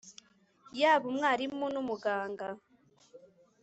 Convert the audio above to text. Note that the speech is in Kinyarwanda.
Yaba umwarimu n’umuganga